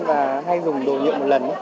và hay dùng đồ nhựa một lần